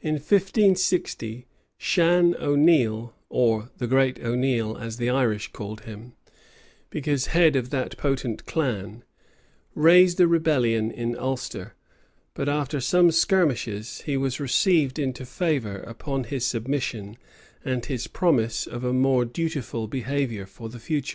In 1560, Shan O'Neale, or the great O'Neale, as the Irish called him, because head of that potent clan, raised a rebellion in Ulster; but after some skirmishes, he was received into favor, upon his submission, and his promise of a more dutiful behavior for the future.